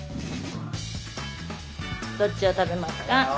・どっちを食べますか？